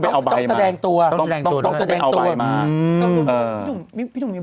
ไม่ใช่ได้ไหม